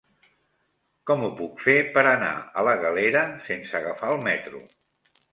Com ho puc fer per anar a la Galera sense agafar el metro?